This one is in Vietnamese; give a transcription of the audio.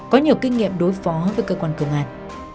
có nhiều kinh nghiệm đối phó với cơ quan công an